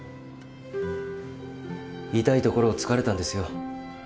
痛いところを突かれたんですよ。